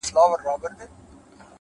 هره تجربه نوی لید درکوي,